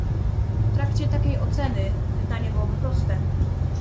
W trakcie takiej oceny pytanie byłoby proste